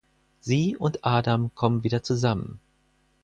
Sie und Adam kommen wieder zusammen.